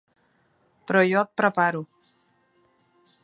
Però jo et preparo.